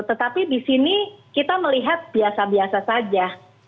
tetapi di sini kita melihat biasa biasa saja